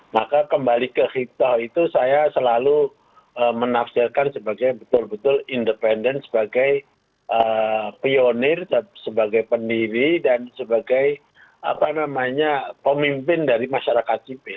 maka kembali ke hitoh itu saya selalu menafsirkan sebagai betul betul independen sebagai pionir sebagai pendiri dan sebagai pemimpin dari masyarakat sipil